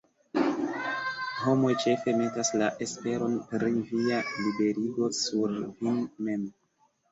Homoj ĉefe metas la esperon pri via liberigo sur vin mem.